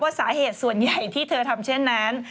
สาเหตุส่วนใหญ่ที่เธอทำเช่นนั้น